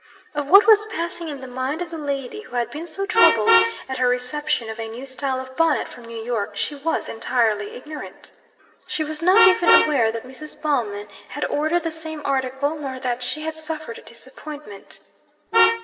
Of what was passing in the mind of the lady who had been so troubled at her reception of a new style of bonnet from New York, she was entirely ignorant. She was not even aware that Mrs. Ballman had ordered the same article, nor that she had suffered a disappointment.